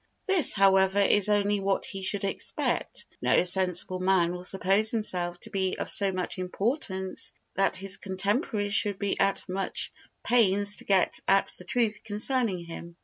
This, however, is only what he should expect. No sensible man will suppose himself to be of so much importance that his contemporaries should be at much pains to get at the truth concerning him.